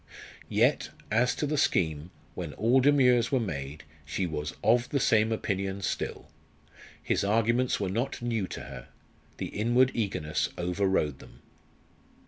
Yet, as to the scheme, when all demurs were made, she was "of the same opinion still"! His arguments were not new to her; the inward eagerness over rode them.